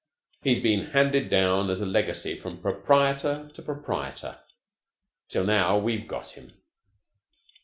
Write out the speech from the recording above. He's been handed down as a legacy from proprietor to proprietor, till now we've got him.